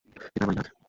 এটা আমারই কাজ।